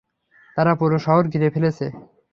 তারা পুরো শহর ঘিরে ফেলেছে।